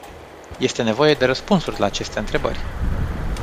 Este nevoie de răspunsuri la aceste întrebări.